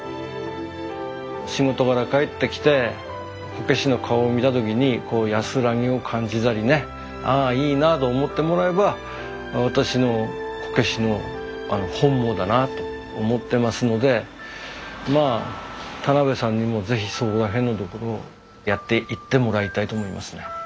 仕事から帰ってきてこけしの顔を見た時に安らぎを感じたりね「ああいいなあ」と思ってもらえば私のこけしの本望だなと思ってますのでまあ田邉さんにも是非そこら辺のところをやっていってもらいたいと思いますね。